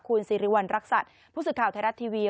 คุณสิริวัณรักษัตริย์ผู้สื่อข่าวไทยรัฐทีวี